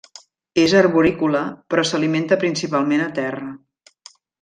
És arborícola però s'alimenta principalment a terra.